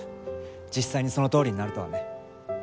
実際にそのとおりになるとはね。